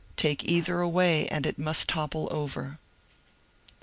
Take either away and it must topple over."